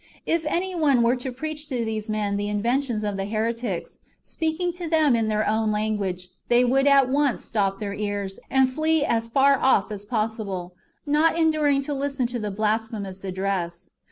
If any one were to preach to these men the inventions of the heretics, speaking to them in their own language, they would at once stop their ears, and flee as far off as possible, not enduring even to listen to the blasphemous address.